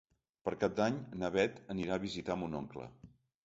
Per Cap d'Any na Bet anirà a visitar mon oncle.